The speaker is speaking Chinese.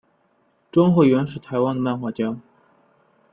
庄河源是台湾的漫画家。